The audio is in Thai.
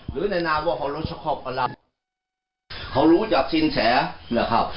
หรือในนาว่าเขารู้จักสินแสนะครับ